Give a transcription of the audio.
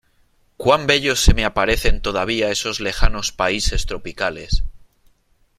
¡ cuán bellos se me aparecen todavía esos lejanos países tropicales !